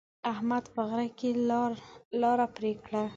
احمد په غره کې لاره پرې کړه.